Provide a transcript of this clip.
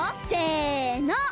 せの。